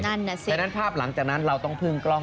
นั่นน่ะสิฉะนั้นภาพหลังจากนั้นเราต้องพึ่งกล้อง